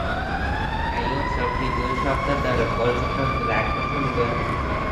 এই উৎসবটি দুই সপ্তাহ ধরে পর্যটকদের আকর্ষণ করে।